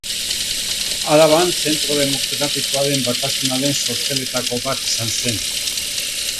Araban Zentro Demokratikoaren Batasunaren sortzaileetako bat izan zen.